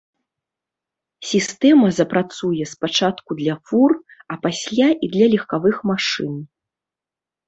Сістэма запрацуе спачатку для фур, а пасля і для легкавых машын.